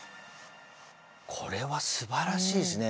これはすばらしいですね。